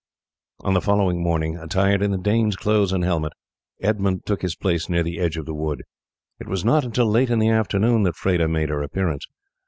On the following morning, attired in the Dane's clothes and helmet, Edmund took his place near the edge of the wood. It was not until late in the afternoon that Freda made her appearance.